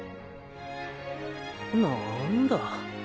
なんだ。